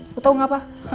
lu tau gak pak